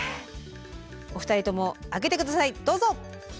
お二人とも上げて下さいどうぞ。